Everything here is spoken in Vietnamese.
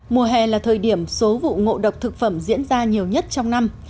mùa hè là thời điểm số vụ ngộ độc thực phẩm diễn ra nhiều nhất trong năm